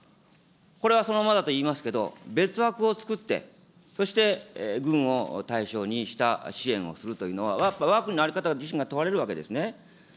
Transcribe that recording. これはそのままだといいますと、別枠を作って、そして軍を対象にした支援をするというのは、やっぱりわが国の在り方が問われるわけですね。